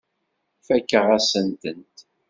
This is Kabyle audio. Fakeɣ-asent-tent.